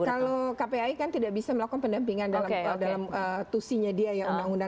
kalau kpi kan tidak bisa melakukan pendampingan dalam tusinya dia ya undang undang